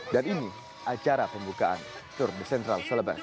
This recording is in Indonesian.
dan ini acara pembukaan tour de centrale salabes